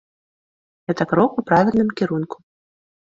Гэта крок у правільным кірунку.